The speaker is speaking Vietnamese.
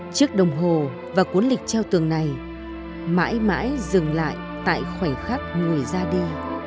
chiếc đồng hồ và cuốn lịch treo tường này mãi mãi dừng lại tại khoảnh khắc người ra đi